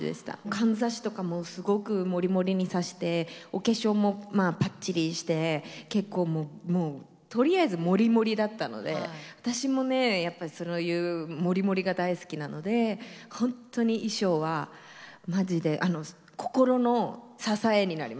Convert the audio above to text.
かんざしとかもすごく盛り盛りに挿してお化粧もパッチリして結構もうとりあえず盛り盛りだったので私もねそういう盛り盛りが大好きなので本当に衣装はマジで心の支えになりました。